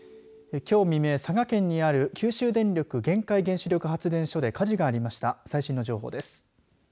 きょう未明、佐賀県にある九州電力玄海原子力発電所で火事がありました最新の情報です。